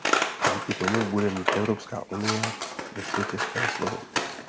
Díky tomu bude mít Evropská unie ve světě své slovo.